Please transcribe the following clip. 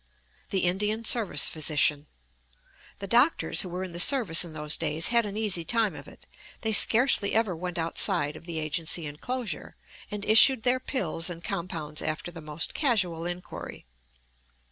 THE INDIAN SERVICE PHYSICIAN The doctors who were in the service in those days had an easy time of it. They scarcely ever went outside of the agency enclosure, and issued their pills and compounds after the most casual inquiry.